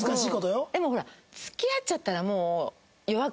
でもほら付き合っちゃったらもう弱くなる。